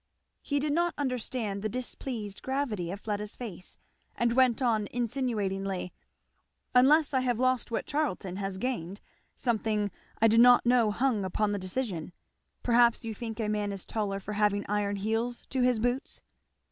He did not understand the displeased gravity of Fleda's face, and went on insinuatingly; "Unless I have lost what Charlton has gained something I did not know hung upon the decision Perhaps you think a man is taller for having iron heels to his boots?"